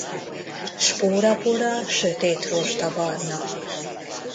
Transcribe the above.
Spórapora sötét rozsdabarna.